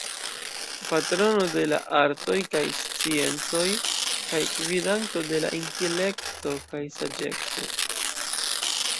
Patrono de la artoj kaj sciencoj kaj gvidanto de la intelekto kaj saĝeco.